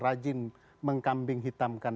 rajin mengkambing hitamkan